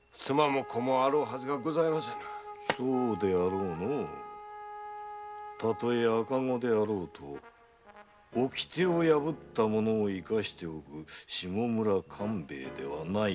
そうであろうのたとえ赤子であろうと掟を破った者を生かしておく下村勘兵衛ではないからのう。